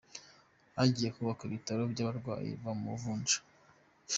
Hagiye kubakwa ibitaro by’abarwayi b’amavunja